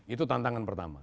itu tantangan pertama